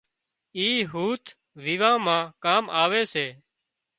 اِي هوٿ ويوان مان ڪام آوي سي